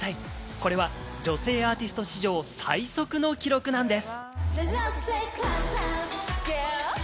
これは女性アーティスト史上最速の記録なんです。